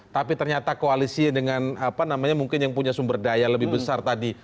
tapi ternyata koalisi dengan apa namanya mungkin yang punya sumber daya lebih besar tadi